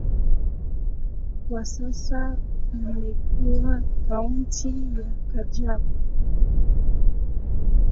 Kwa sasa imekuwa kaunti ya Kajiado.